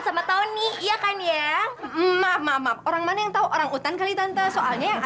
sama kodok ya kan